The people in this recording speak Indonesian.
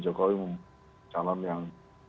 jokowi calon yang